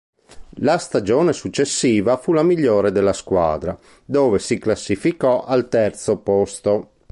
La stagione successiva fu la migliore della squadra, dove si classificò al terzo posto.